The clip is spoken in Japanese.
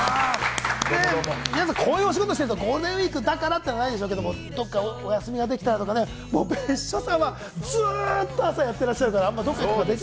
皆さん、こういうお仕事してるとゴールデンウイークだからってないでしょうけど、どこかお休みができたら別所さんは、ずっと朝やってらっしゃるから。